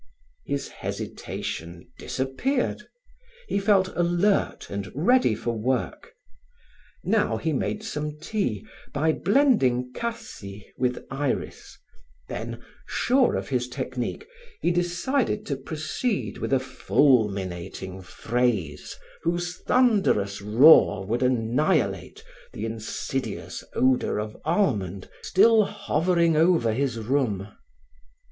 His hesitation disappeared. He felt alert and ready for work; now he made some tea by blending cassie with iris, then, sure of his technique, he decided to proceed with a fulminating phrase whose thunderous roar would annihilate the insidious odor of almond still hovering over his room.